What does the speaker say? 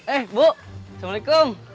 eh bu assalamualaikum